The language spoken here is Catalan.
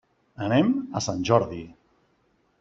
Anem a Sant Jordi.